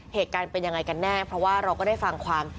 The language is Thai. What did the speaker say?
เหตุการณ์เป็นยังไงกันแน่เพราะว่าเราก็ได้ฟังความ